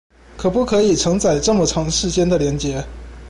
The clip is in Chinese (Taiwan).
可不可以承載這麼長時間的連結